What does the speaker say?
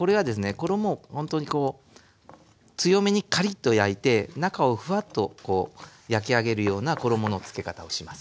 衣をほんとにこう強めにカリッと焼いて中をフワッと焼き上げるような衣のつけ方をします。